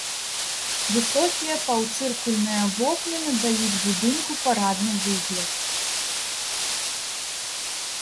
Высокія паўцыркульныя вокны надаюць будынку парадны выгляд.